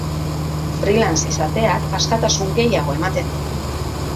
Freelance izateak askatasun gehiago ematen dit.